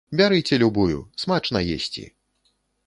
Бярыце любую, смачна есці!